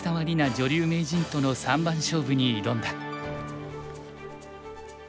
女流名人との三番勝負に挑んだ。